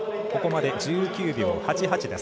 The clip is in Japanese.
ここまで１９秒８８。